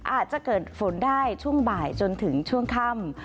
อาจจะเกิดฝนได้ช่วงบ่ายจนถึงช่วงค่ำ